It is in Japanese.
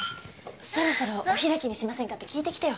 そろそろお開きにしませんかって聞いてきてよ